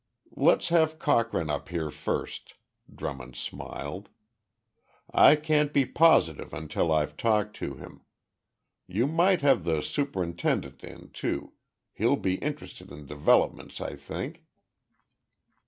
"Let's have Cochrane up here first," Drummond smiled. "I can't be positive until I've talked to him. You might have the superintendent in, too. He'll be interested in developments, I think."